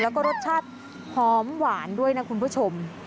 แล้วก็รสชาติหอมหวานด้วยนะคุณผู้ชม